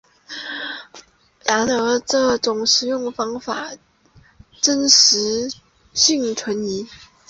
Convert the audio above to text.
然而这种食用方法真实性存疑。